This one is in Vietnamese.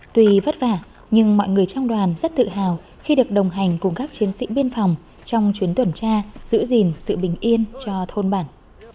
tuy vất vả nhưng mọi người trong đoàn rất tự hào khi được đồng hành cùng các chiến sĩ biên phòng trong chuyến tuần tra giữ gìn sự bình yên cho thôn bản